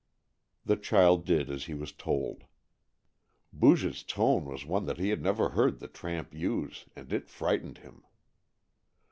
The child did as he was told. Booge's tone was one he had never heard the tramp use, and it frightened him.